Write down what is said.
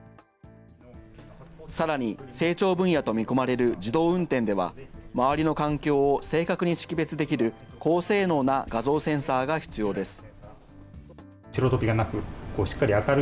さらに成長分野と見込まれる自動運転では、周りの環境を正確に識別できる高性能な画像センサーが必要です。